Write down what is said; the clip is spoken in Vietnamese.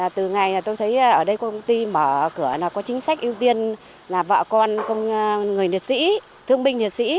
từ ngày tôi thấy ở đây công ty mở cửa có chính sách ưu tiên là vợ con người liệt sĩ thương binh liệt sĩ